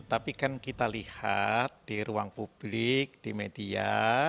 tapi kan kita lihat di ruang publik di media